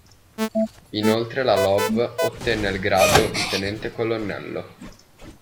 Inoltre la Love ottenne il grado di tenente colonnello.